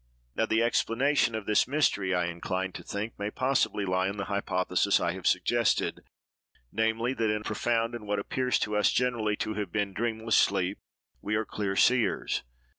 Now, the explanation of this mystery, I incline to think, may possibly lie in the hypothesis I have suggested; namely, that in profound, and what appears to us generally to have been dreamless sleep, we are clear seers.